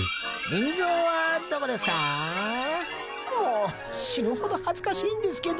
もう死ぬほど恥ずかしいんですけど。